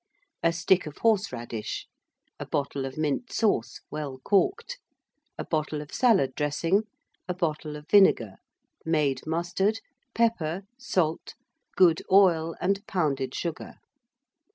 A stick of horseradish, a bottle of mint sauce well corked, a bottle of salad dressing, a bottle of vinegar, made mustard, pepper, salt, good oil, and pounded sugar.